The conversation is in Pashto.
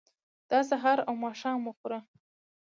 دا سهار او ماښام وخوره.